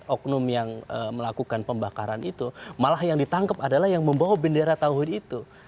oknum yang melakukan pembakaran itu malah yang ditangkap adalah yang membawa bendera tahu itu